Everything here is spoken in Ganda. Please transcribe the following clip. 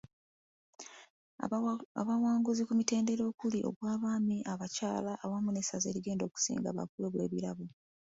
Abawanguzi ku mitendera okuli; ogw'abaami, abakyala awamu n’essaza erigenda okusinga baakuweebwa ebirabo .